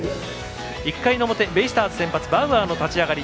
１回の表、ベイスターズ先発バウアーの立ち上がり。